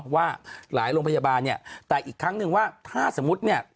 ว่าหลายโรงพยาบาลเนี่ยแต่อีกครั้งนึงว่าถ้าสมมุติเนี่ย